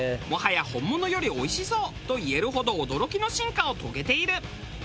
もはや本物よりおいしそうといえるほど驚きの進化を遂げている。